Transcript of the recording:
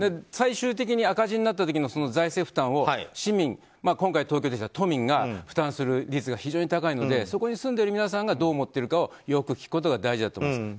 最終的に赤字になった時の財政負担を市民、今回東京なので都民が負担するリスクが非常に高いのでそこに住んでいる皆さんがどう思っているかをよく聞くことが大事だと思います。